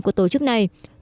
của tổ chức thế giới